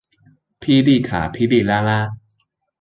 霹靂卡霹靂拉拉